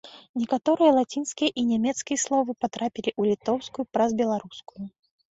Некаторыя лацінскія і нямецкія словы патрапілі ў літоўскую праз беларускую.